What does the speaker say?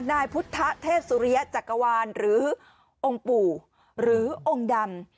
นายพุทธเทพสุริยะจักรวาลหรือองค์ปู่หรือองค์ดำ